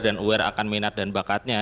dan aware akan minat dan bakatnya